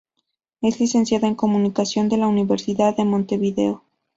Es licenciada en comunicación de la Universidad de Montevideo.